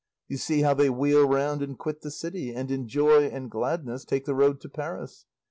You see how they wheel round and quit the city, and in joy and gladness take the road to Paris.